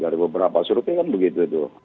dari beberapa surupe kan begitu begitu